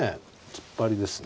突っ張りですね。